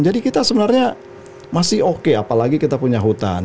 jadi kita sebenarnya masih oke apalagi kita punya hutan